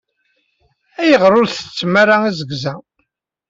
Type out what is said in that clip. Ayɣeṛ ur tsettttem ara izegza?